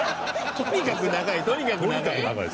とにかく長いとにかく長い。